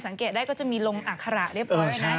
สังเกตได้ก็จะมีลงอัคระเรียบร้อยนะ